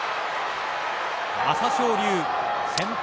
朝青龍先輩